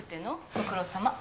ご苦労さま。